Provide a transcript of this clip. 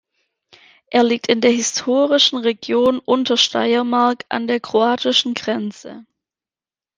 Er liegt in der historischen Region Untersteiermark an der kroatischen Grenze.